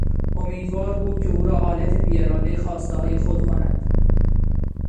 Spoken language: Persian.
امیدوار بود که او را آلت بیارادهی خواستههای خود کند.